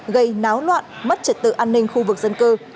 gây náo loạn mất trật tự an ninh khu vực dân cư